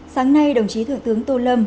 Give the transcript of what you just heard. sáng nay đồng chí thượng tướng tô lâm